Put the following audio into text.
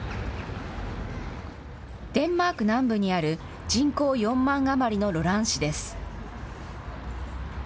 デンマーク南部にある人口４万余りのロラン市です。